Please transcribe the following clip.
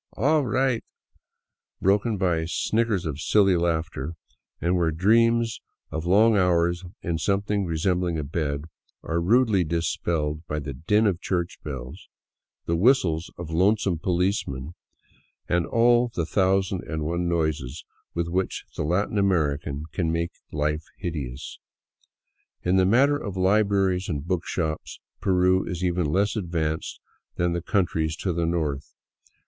Awe right," broken by snickers of silly laughter; and where dreams of long hours in something resembling a bed are rudely dispelled by the din of church bells, the whistles of lonesome policemen, and all the thousand and one noises with which the Latin American can make life hideous. In the matter of libraries and book shops Peru is even less advanced than the countries to the north.